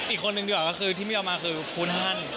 อีกคนนึงดีกว่าก็คือที่ไม่ยอมมาคือคูณฮัน